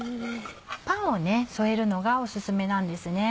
パンを添えるのがお薦めなんですね。